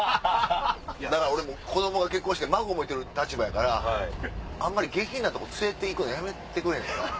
俺子供が結婚して孫もいてる立場やからあんまり下品なとこ連れて行くのやめてくれへんかな？